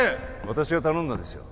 私が頼んだんですよ